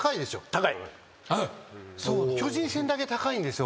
巨人戦だけ高いんですよ